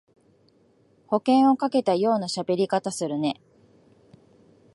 保険をかけたようなしゃべり方するね